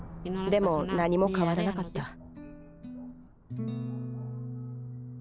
でも何も変わらなかった。